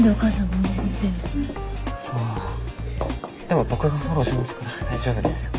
でも僕がフォローしますから大丈夫ですよ。